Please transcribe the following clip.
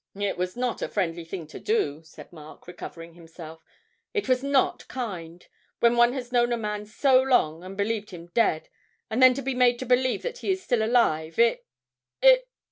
'It was not a friendly thing to do,' said Mark, recovering himself. 'It was not kind, when one has known a man so long, and believed him dead, and then to be made to believe that he is still alive, it it